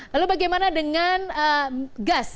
lalu bagaimana dengan gas